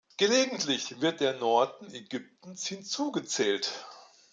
Gelegentlich wird der Norden Ägyptens hinzugezählt.